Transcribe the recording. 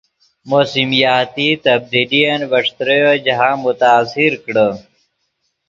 موسمیاتی تبدیلین ڤے ݯتریو جاہند متاثر کڑے